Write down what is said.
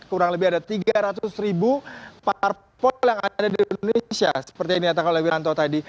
kurang lebih ada tiga ratus ribu parpol yang ada di indonesia seperti yang dikatakan oleh wiranto tadi